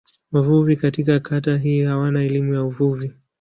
Wavuvi katika kata hii hawana elimu ya uvuvi.